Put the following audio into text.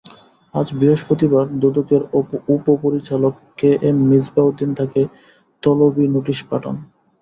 আজ বৃহস্পতিবার দুদকের উপপরিচালক কে এম মিছবাহ উদ্দিন তাকে তলবি নোটিশ পাঠান।